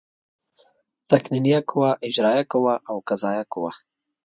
تقنینیه قوه، اجرائیه قوه او قضایه قوه.